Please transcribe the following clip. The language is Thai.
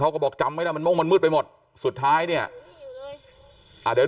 เขาบอกจำไม่ได้มันม่วงมันมืดไปหมดสุดท้ายเนี่ยอ่าเดี๋ยว